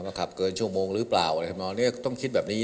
ขับเกินชั่วโมงหรือเปล่าอะไรทำนองนี้ต้องคิดแบบนี้